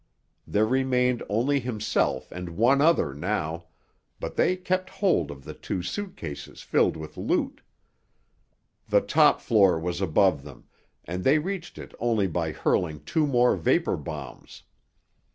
There remained only himself and one other now—but they kept hold of the two suit cases filled with loot. The top floor was above them, and they reached it only by hurling two more vapor bombs.